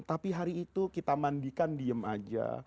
tapi hari itu kita mandikan diem aja